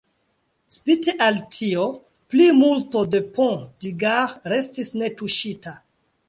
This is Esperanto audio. Spite al tio, plimulto de Pont du Gard restis netuŝita.